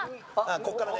ここからね。